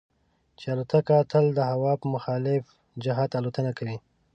چې الوتکه تل د هوا په مخالف جهت الوتنه کوي.